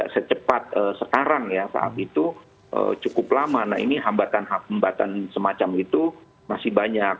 secepat sekarang ya saat itu cukup lama nah ini hambatan hambatan semacam itu masih banyak